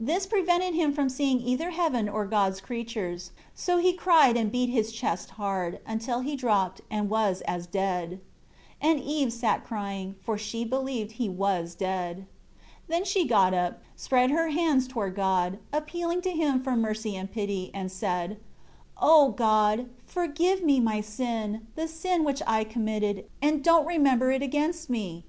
This prevented him from seeing either heaven or God's creatures. So he cried and beat his chest hard, until he dropped, and was as dead. 3 And Eve sat crying; for she believed he was dead. 4 Then she got up, spread her hands toward God, appealing to Him for mercy and pity, and said, "O God, forgive me my sin, the sin which I committed, and don't remember it against me.